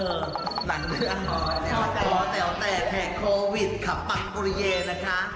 เออหนังเรื่องนะคะขอแต่แต่แต่โควิดค่ะปรับปรเยนะคะ